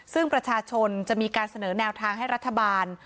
ซึ่งประชาชนจะมีการเสนอแนวทางให้รัฐบาล